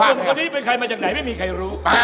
หนุ่มคนนี้เป็นใครมาจากไหนไม่มีใครรู้